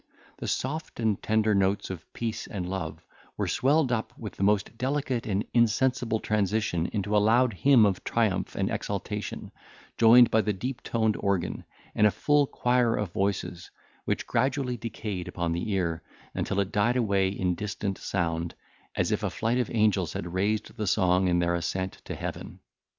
The soft and tender notes of peace and love were swelled up with the most delicate and insensible transition into a loud hymn of triumph and exultation, joined by the deep toned organ, and a full choir of voices, which gradually decayed upon the ear, until it died away in distant sound, as if a flight of angels had raised the song in their ascent to heaven.